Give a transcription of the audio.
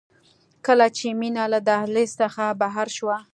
کله چې مينه له دهلېز څخه بهر شوه.